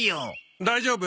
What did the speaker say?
大丈夫。